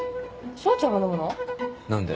彰ちゃんが飲むの⁉何で？